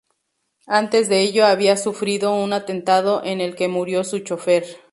Antes de ello había sufrido un atentado en el que murió su chofer.